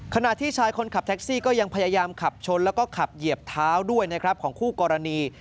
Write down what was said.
ขณะที่ชายคนขับแท็กซี่ก็ยังพยายามขับชนแล้วก็ขับเหยียบเท้าด้วยนะครับของคู่กรณี